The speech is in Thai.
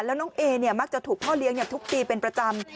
แล้วน้องเอเนี่ยมักจะถูกพ่อเลี้ยงทุบตีเป็นประจำ